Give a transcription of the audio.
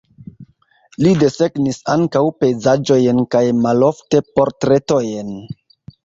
Li desegnis ankaŭ pejzaĝojn kaj malofte portretojn.